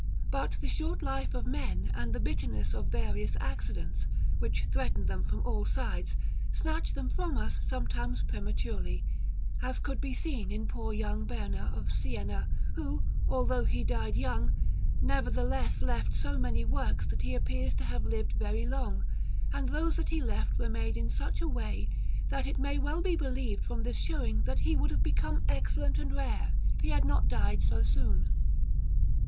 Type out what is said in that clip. But the short life of men and the bitterness of various accidents, which threaten them from all sides, snatch them from us sometimes prematurely, as could be seen in poor young Berna of Siena, who, although he died young, nevertheless left so many works that he appears to have lived very long; and those that he left were made in such a way, that it may well be believed from this showing that he would have become excellent and rare if he had not died so soon.